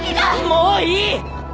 もういい！